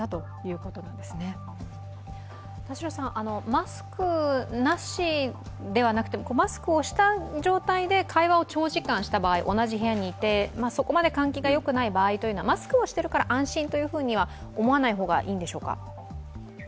マスクなしではなくてマスクをした状態で会話を長時間した場合、同じ部屋にいた場合、そこまで換気が良くない場合というのはマスクをしてるから安心というふうには思わない方がいいんでしょうか。